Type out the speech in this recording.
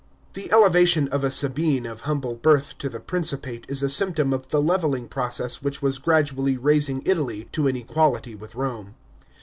* The elevation of a Sabine of humble birth to the Principate is a symptom of the levelling process which was gradually raising • Italy to an equality with Rome.